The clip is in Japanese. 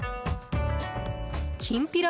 きんぴら